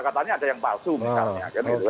katanya ada yang palsu misalnya